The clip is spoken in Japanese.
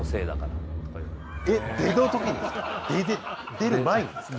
出る前にですか？